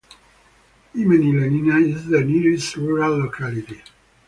Imeni Lenina is the nearest rural locality.